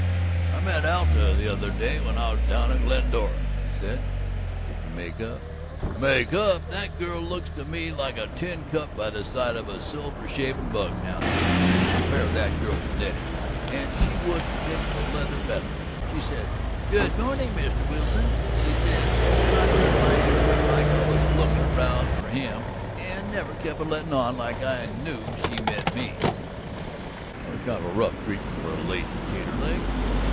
"I met Alta the other day when I was down in Glendora," he said. "Did you make up?" "Make up! That girl looks to me like a tin cup by the side of a silver shavin' mug now, Duke. Compare that girl to Nettie, and she wouldn't take the leather medal. She says: 'Good morning, Mr. Wilson,' she says, and I turned my head quick, like I was lookin' around for him, and never kep' a lettin' on like I knew she meant me." "That was kind of rough treatment for a lady, Taterleg."